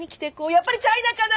やっぱりチャイナかな。